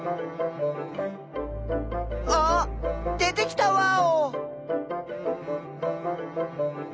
あ出てきたワオ！